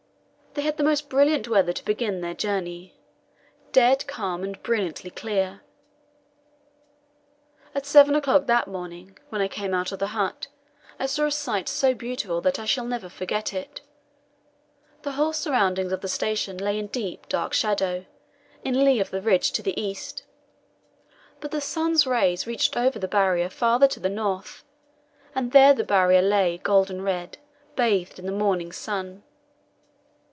They had the most beautiful weather to begin their journey dead calm and brilliantly clear. At seven o'clock that morning, when I came out of the hut, I saw a sight so beautiful that I shall never forget it. The whole surroundings of the station lay in deep, dark shadow, in lee of the ridge to the east. But the sun's rays reached over the Barrier farther to the north, and there the Barrier lay golden red, bathed in the morning sun.